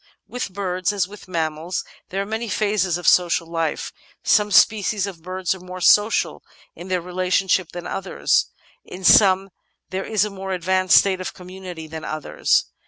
With birds, as with mammals, there are many phases of social life. Some species of birds are more social in their relationship than others ; in some there is a more advanced state of community than others.